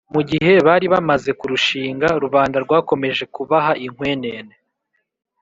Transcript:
mu gihe bari bamaze kurushinga, rubanda rwakomeje kubaha inkwenene